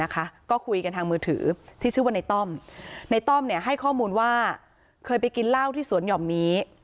ก็คุยกันทางมือถือที่ชื่อว่าในต้อมในต้อมให้ข้อมูลว่าเคยไปกินเหล้าที่สวนหย่อมนี้